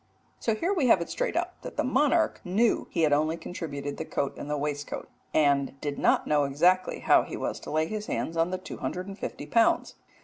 '" So here we have it straight out that the monarch knew he had only contributed the coat and waistcoat, and did not know exactly how he was to lay his hands on the 250 pounds.